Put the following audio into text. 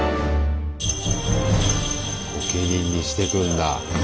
御家人にしてくんだ。